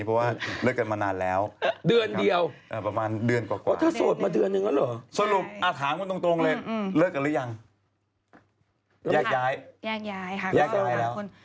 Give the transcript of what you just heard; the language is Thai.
แยกย้ายแยกย้ายค่ะก็แยกย้ายแล้ว